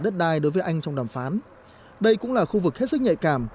đất đai đối với anh trong đàm phán đây cũng là khu vực hết sức nhạy cảm